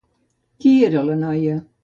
Qui era la noia?